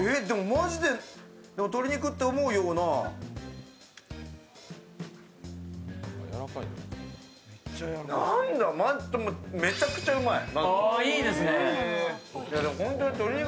マジで鶏肉って思うような何だ、めちゃくちゃうまい。